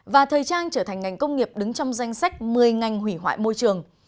và thời trang trở thành ngành công nghiệp đứng trong danh sách một mươi ngành hủy hoại môi trường